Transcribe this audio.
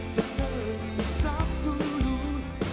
tak terisam dulu